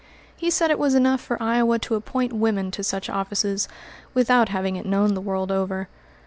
He said it was enough for Iowa to appoint women to such offices, without having it known the world over.